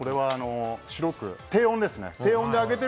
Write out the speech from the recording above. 低温ですね。